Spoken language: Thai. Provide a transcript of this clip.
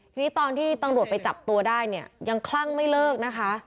ทีนี้ตอนที่ตำรวจไปจับตัวได้เนี่ยยังคลั่งไม่เลิกนะคะ